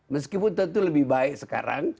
meskipun tentu lebih baik sekarang